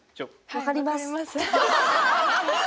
わかります。